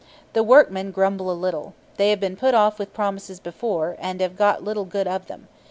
The workmen grumble a little. They have been put off with promises before, and have got little good of them.